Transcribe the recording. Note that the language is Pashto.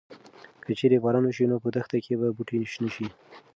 که چېرې باران وشي نو په دښته کې به بوټي شنه شي.